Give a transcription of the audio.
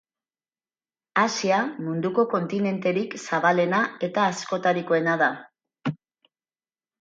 Asia munduko kontinenterik zabalena eta askotarikoena da.